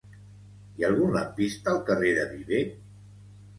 Hi ha algun lampista al carrer de Viver?